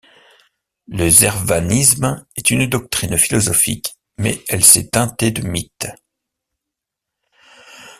Le zervanisme est une doctrine philosophique, mais elle s'est teintée de mythes.